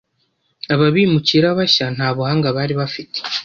Aba bimukira bashya nta buhanga bari bafite.